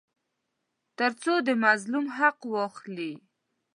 تر څو د مظلوم حق واخلي.